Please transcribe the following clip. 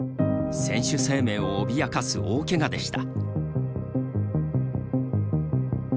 選手生命を脅かす大けがでした。